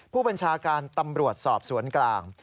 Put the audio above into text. ผู้บัญชาการตำรวจสอบสวนกลาง